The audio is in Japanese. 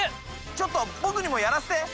ちょっと僕にもやらせて！